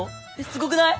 すごくない！？